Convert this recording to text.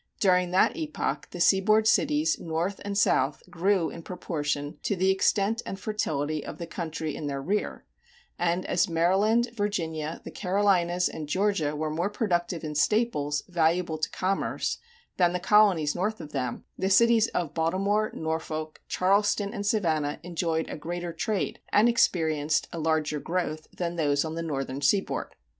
During that epoch the seaboard cities, North and South, grew in proportion to the extent and fertility of the country in their rear; and as Maryland, Virginia, the Carolinas and Georgia were more productive in staples valuable to commerce than the colonies north of them, the cities of Baltimore, Norfolk, Charleston, and Savannah enjoyed a greater trade and experienced a larger growth than those on the northern seaboard.